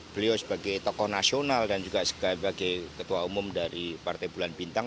beliau sebagai tokoh nasional dan juga sebagai ketua umum dari partai bulan bintang